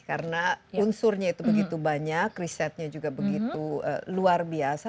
karena unsurnya itu begitu banyak risetnya juga begitu luar biasa